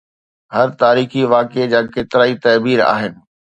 هر تاريخي واقعي جا ڪيترائي تعبير آهن.